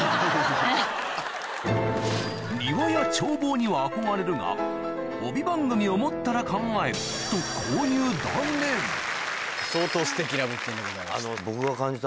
「庭や眺望には憧れるが帯番組を持ったら考える」と相当すてきな物件でございました。